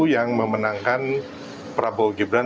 yang memenangkan prabowo gibran